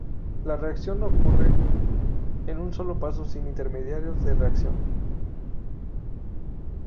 La reacción ocurre en un solo paso sin intermediarios de reacción.